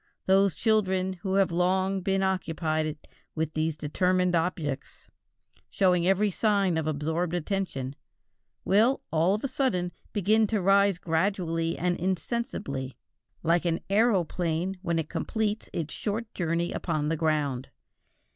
Those children who have long been occupied with these determined objects, showing every sign of absorbed attention, will, all of a sudden, begin to rise gradually and insensibly, like an aeroplane when it completes its short journey upon the ground.